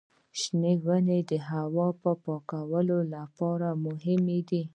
شنې ونې د هوا پاکولو لپاره مهمې دي.